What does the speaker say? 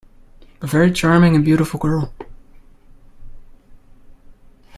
A very charming and beautiful girl.